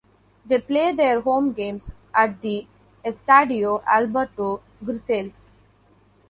They play their home games at the Estadio Alberto Grisales.